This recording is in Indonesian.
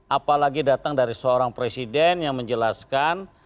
apalagi datang dari seorang presiden yang menjelaskan